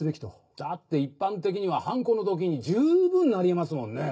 だって一般的には犯行の動機に十分なり得ますもんね。